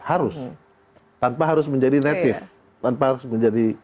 harus tanpa harus menjadi native